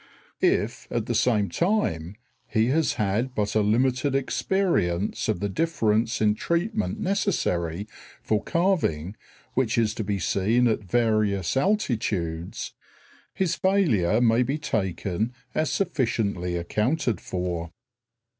If at the same time he has had but a limited experience of the difference in treatment necessary for carving which is to be seen at various altitudes, his failure may be taken as sufficiently accounted for.